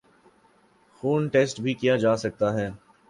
خون ٹیسٹ بھی کیا جاسکتا ہے